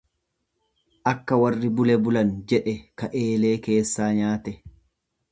Akka warri bule bulan jedhe ka eelee keessaa nyaate.